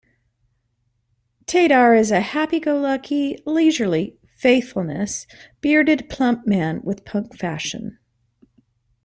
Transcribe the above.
Taidar is a happy-go-lucky, leisurely, faithfulness, bearded plump man with punk fashion.